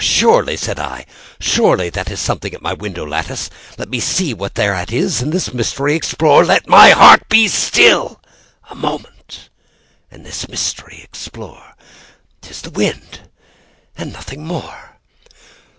"Surely," said I, "surely that is something at my window lattice; Let me see, then, what thereat is, and this mystery explore; Let my heart be still a moment and this mystery explore:'T is the wind and nothing more."